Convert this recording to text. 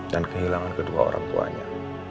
dan kehilangan kedua orang tuanya